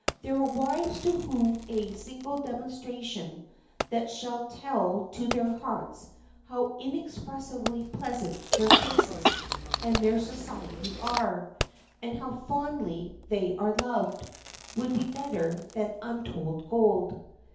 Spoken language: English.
There are wives to whom a single demonstration that shall tell to their hearts how inexpressibly pleasant their faces and their society are, and how fondly they are loved, would be better than untold gold.